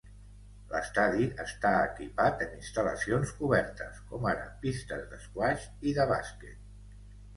L'estadi està equipat amb instal·lacions cobertes, com ara pistes d'esquaix i de bàsquet.